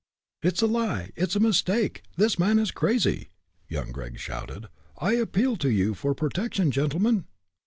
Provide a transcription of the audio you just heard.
"It's a lie! It's a mistake! This man is crazy!" young Gregg shouted. "I appeal to you for protection, gentlemen!"